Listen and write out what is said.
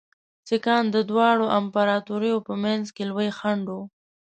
سیکهان د دواړو امپراطوریو په منځ کې لوی خنډ وو.